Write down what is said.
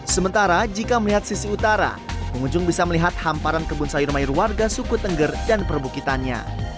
sementara jika melihat sisi utara pengunjung bisa melihat hamparan kebun sayur mayur warga suku tengger dan perbukitannya